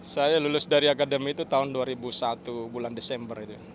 saya lulus dari akademi itu tahun dua ribu satu bulan desember itu